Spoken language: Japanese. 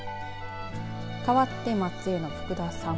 かわって、松江の福田さん。